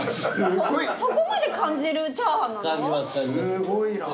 すごいなあ。